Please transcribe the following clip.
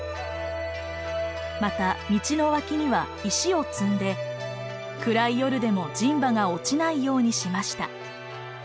また道の脇には石を積んで暗い夜でも人馬が落ちないようにしました。